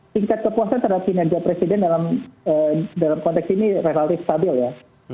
tingkat kepuasan terhadap kinerja presiden dalam konteks ini relatif stabil ya